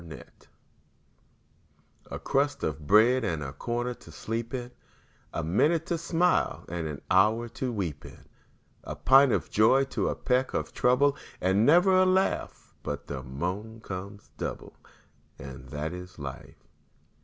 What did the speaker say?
LIFE A crust of bread and a corner to sleep in, A minute to smile and an hour to weep in, A pint of joy to a peck of trouble, And never a laugh but the moans come double; And that is life!